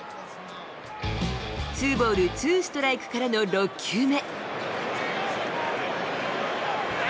ツーボールツーストライクからの６球目。